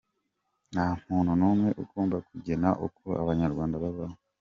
Nta muntu numwe ugomba kugena uko abanyarwanda babaho.